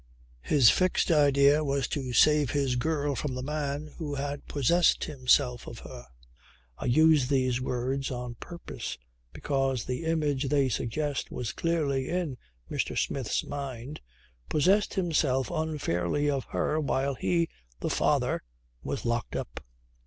His fixed idea was to save his girl from the man who had possessed himself of her (I use these words on purpose because the image they suggest was clearly in Mr. Smith's mind), possessed himself unfairly of her while he, the father, was locked up.